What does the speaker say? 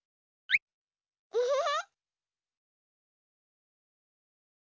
ウフフ。